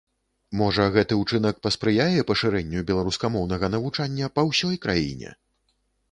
Можа, гэты ўчынак паспрыяе пашырэнню беларускамоўнага навучання па ўсёй краіне?